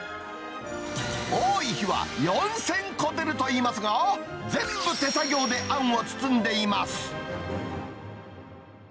多い日は４０００個出るといいますが、全部手作業であんを包んでいます。